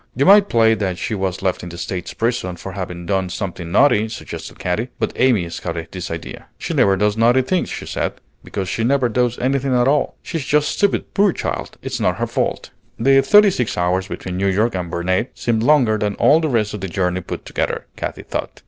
"You might play that she was left in the States prison for having done something naughty," suggested Katy; but Amy scouted this idea. "She never does naughty things," she said, "because she never does anything at all. She's just stupid, poor child! It's not her fault." The thirty six hours between New York and Burnet seemed longer than all the rest of the journey put together, Katy thought.